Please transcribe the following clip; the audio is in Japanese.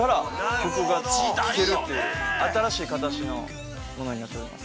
曲が聞けるという、新しい形の物になっております。